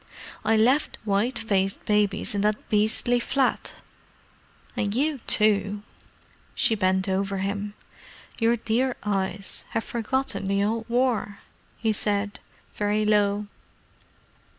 I left white faced babies in that beastly flat. And you too——" She bent over him. "Your dear eyes have forgotten the old War!" he said, very low.